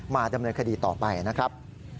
ดำเนินคดีต่อไปนะครับ